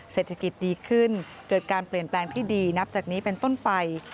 เศรษฐกิจดีขึ้นเกิดการเปลี่ยนแปลงที่ดีนับจากนี้เป็นต้นไป